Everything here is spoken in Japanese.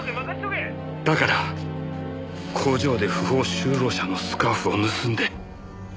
だから工場で不法就労者のスカーフを盗んで。